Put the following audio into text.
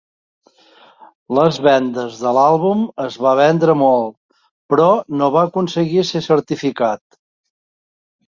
Les vendes de l'àlbum es va vendre molt, però no va aconseguir ser certificat.